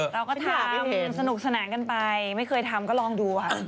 เราก็ทำสนุกสนานกันไปไม่เคยทำก็ลองดูค่ะ